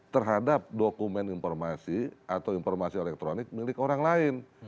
terhadap dokumen informasi atau informasi elektronik milik orang lain